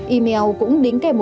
email cũng đính kèm